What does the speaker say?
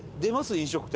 飲食店。